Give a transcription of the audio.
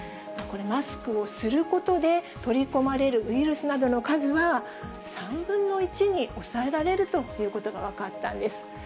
これ、マスクをすることで、取り込まれるウイルスなどの数は３分の１に抑えられるということが分かったんです。